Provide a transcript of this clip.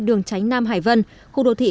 đường tránh nam hải vân khu đô thị